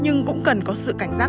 nhưng cũng cần có sự cảnh giác cao